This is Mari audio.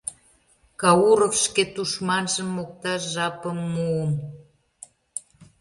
Кауров шке тушманжым мокташ жапым муым.